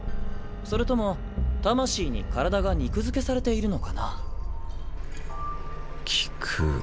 それとも魂に体が肉づけされているのかな？